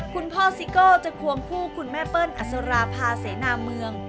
คุณพ่อซิโก้จะควงคู่คุณแม่เปิ้ลอัศราภาเสนาเมือง